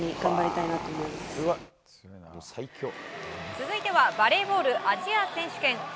続いてはバレーボールアジア選手権。